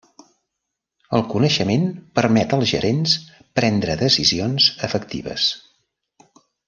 El coneixement permet als gerents prendre decisions efectives.